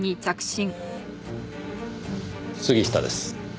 杉下です。